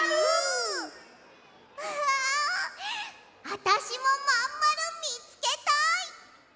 ああたしもまんまるみつけたい！